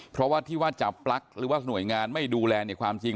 เพราะว่าที่ว่าจับปลั๊กหรือว่าหน่วยงานไม่ดูแลเนี่ยความจริง